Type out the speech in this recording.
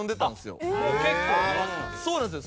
そうなんですよ。